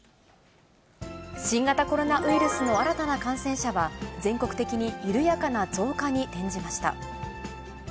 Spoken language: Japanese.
新型コロナウイルスの新たな感染者は、全国的に緩やかな増加に転じました。